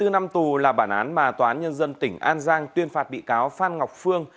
hai mươi năm tù là bản án mà tòa án nhân dân tỉnh an giang tuyên phạt bị cáo phan ngọc phương